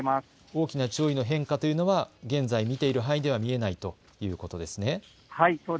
大きな潮位の変化というのは現在、見えている範囲では分からないということですね。